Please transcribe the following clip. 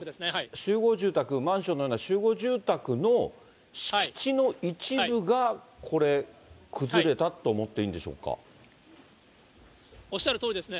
集合住宅、マンションのような集合住宅の敷地の一部がこれ、崩れたと思っておっしゃるとおりですね。